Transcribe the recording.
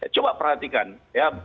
coba perhatikan ya